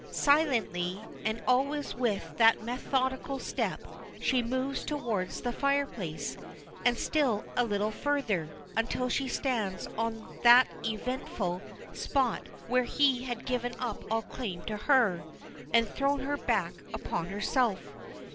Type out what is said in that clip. Silently, and always with that methodical step, she moves toward the fireplace, and still a little further, until she stands on that eventful spot where he had given up all claim to her, and thrown her back upon herself.